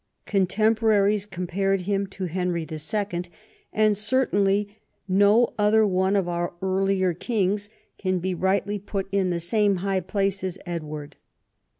Contemporaries compared him to Henry H., and certainly no other one of our earlier kings can be rightl}' put in the same high place as Edward.